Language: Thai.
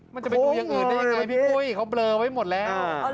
มันจะเป็นทุเรียนอื่นได้อย่างไรพี่ปุ๊ยเขาเบลอไว้หมดแล้ว